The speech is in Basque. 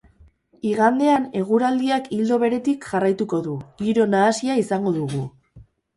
Igandean, eguraldiak ildo beretik jarraituko du, giro nahasia izango dugu.